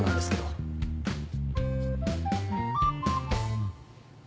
うん。